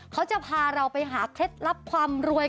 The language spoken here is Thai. เขาจะพาเราไปหาเคล็ดลับความรวย